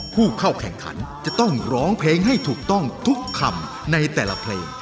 ผู้เข้าแข่งขันจะต้องร้องเพลงให้ถูกต้องทุกคำในแต่ละเพลง